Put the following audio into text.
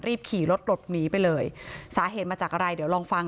ขี่รถหลบหนีไปเลยสาเหตุมาจากอะไรเดี๋ยวลองฟัง